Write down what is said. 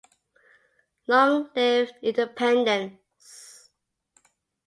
Long live independence!